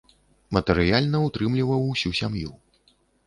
Матэрыяльна ўтрымліваў усю сям'ю.